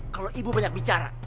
kalau ibu banyak bicara